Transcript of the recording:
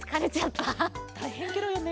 たいへんケロよね。